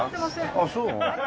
あっそう？